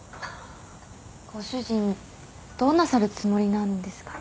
ご主人どうなさるつもりなんですかね？